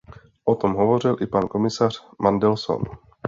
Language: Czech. O tom hovořil i pan komisař Mandelson.